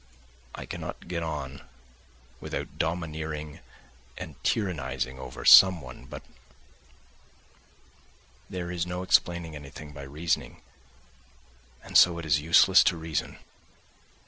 I cannot get on without domineering and tyrannising over someone, but ... there is no explaining anything by reasoning and so it is useless to reason.